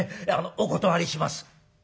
お断りします」。